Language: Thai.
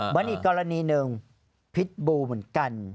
มันอีกกรณีหนึ่งพิษบูเหมือนกัน